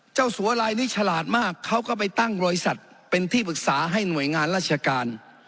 สัวลายนี้ฉลาดมากเขาก็ไปตั้งบริษัทเป็นที่ปรึกษาให้หน่วยงานราชการ